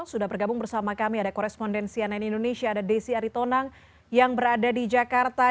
sudah bergabung bersama kami ada korespondensi ann indonesia ada desi aritonang yang berada di jakarta